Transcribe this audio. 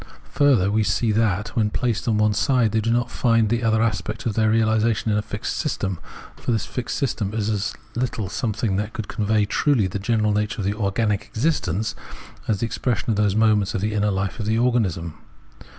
Further, we see that, when placed on one side, they do not find in the other aspect their realisation in a fixed system ; for this fixed system is as little something that could convey truly the general nature of organic existence, as it is the expression of those moments of the inner fife of the organism.